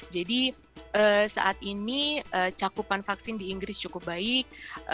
jadi saat ini cakupan vaksin di inggris cukup baik